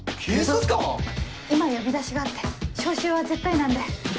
今呼び出しがあって招集は絶対なんで。